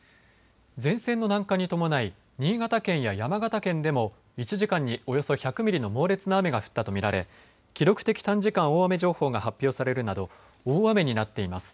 前線の南下に伴い新潟県や山形県でも１時間におよそ１００ミリの猛烈な雨が降ったと見られ記録的短時間大雨情報が発表されるなど大雨になっています。